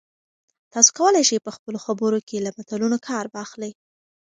تاسي کولای شئ په خپلو خبرو کې له متلونو کار واخلئ.